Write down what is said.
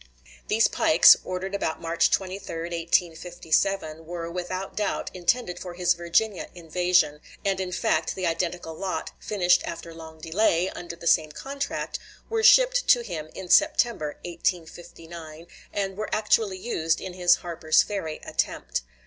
These pikes, ordered about March 23, 1857, were without doubt intended for his Virginia invasion; and in fact the identical lot, finished after long delay, under the same contract, were shipped to him in September, 1859, and were actually used in his Harper's Ferry attempt.